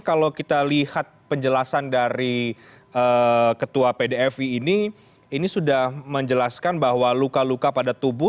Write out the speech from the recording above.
kalau kita lihat penjelasan dari ketua pdfi ini ini sudah menjelaskan bahwa luka luka pada tubuh